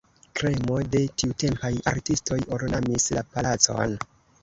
Kremo de tiutempaj artistoj ornamis la palacon.